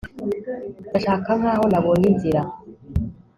Ndashaka nkaho nabonye inzira